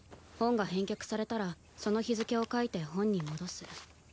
本が返却されたらその日付を書いて本に戻す。